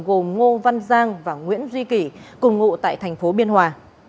gồm ngô văn giang và nguyễn duy kỷ cùng ngụ tại thành phố biên hòa